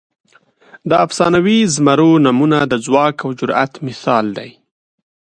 د افسانوي زمرو نومونه د ځواک او جرئت مثال دي.